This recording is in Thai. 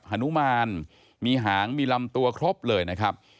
ฮนุมานมีหางมีลำตัวครบเลยนะครับ